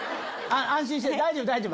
安心して大丈夫大丈夫。